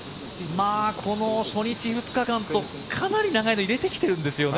この初日、２日間とかなり長いの入れて来ているんですよね。